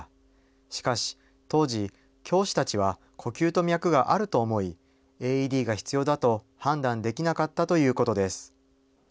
しかし、当時、教師たちは呼吸と脈があると思い、ＡＥＤが必要だと判断できなかったということです。